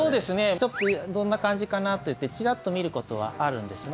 ちょっとどんな感じかなといってチラっと見ることはあるんですね。